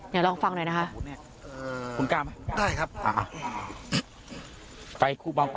เดี๋ยวลองฟังหน่อยนะคะ